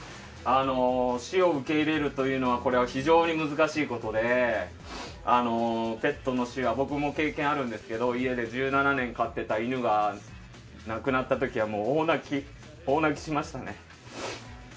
死を受け入れるというのは非常に難しいことでペットの死は僕も経験あるんですけど家で１７年飼ってた犬が亡くなった時は大泣きしましたね。